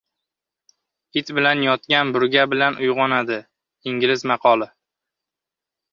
It bilan yotgan burga bilan uyg‘onadi. Ingliz maqoli